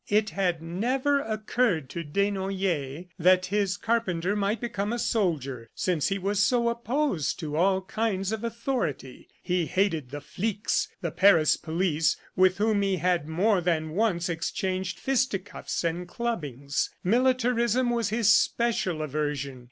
It had never occurred to Desnoyers that his carpenter might become a soldier, since he was so opposed to all kinds of authority. He hated the flics, the Paris police, with whom he had, more than once, exchanged fisticuffs and clubbings. Militarism was his special aversion.